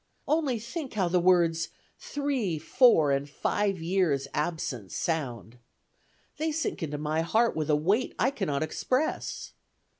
Only think how the words, 'three, four, and five years' absence,' sound! They sink into my heart with a weight I cannot express.